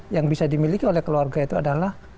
yang bisa dimiliki oleh keluarga itu adalah